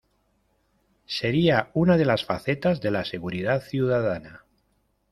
Sería una de las facetas de la seguridad ciudadana.